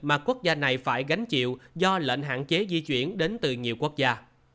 mà quốc gia này phải gánh chịu do lệnh hạn chế di chuyển đến từ nhiều quốc gia